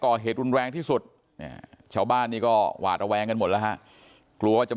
ก่อเหตุแวงที่สุดชาวบ้านนี้ก็หวาดแวงกันหมดแล้วฮะกลัวจะ